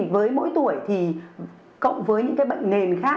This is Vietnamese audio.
với mỗi tuổi thì cộng với những cái bệnh nền khác